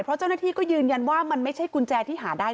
เพราะเจ้าหน้าที่ก็ยืนยันว่ามันไม่ใช่กุญแจที่หาได้